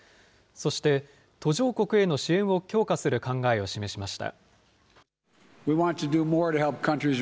そして、途上国への支援を強化する考えを示しました。